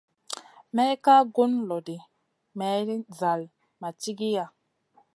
May ka gun lo ɗi, mayɗin zall ma cigiya.